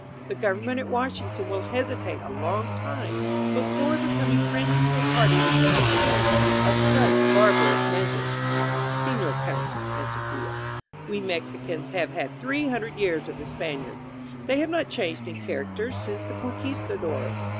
The government at Washington will hesitate a long time before becoming friendly to a party which makes use of such barbarous measures." "Senor Consul," answered Villa, "we Mexicans have had three hundred years of the Spaniards. They have not changed in character since the Conqvistadores.